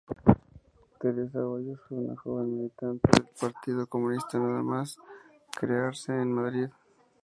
Teresa Hoyos fue una joven militante del Partido Comunista nada más crearse en Madrid.